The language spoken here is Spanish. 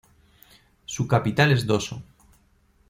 Su capital es Dosso.